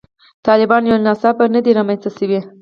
طالبان یو ناڅاپه نه دي رامنځته شوي.